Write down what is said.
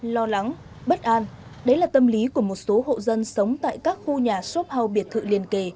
lo lắng bất an đấy là tâm lý của một số hộ dân sống tại các khu nhà shop house biệt thự liền kề